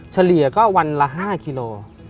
เฉลี่ยก็วันละ๕กิโล